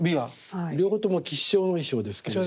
両方とも吉祥の意匠ですけども。